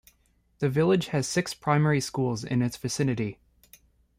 The village has six primary schools in its vicinity.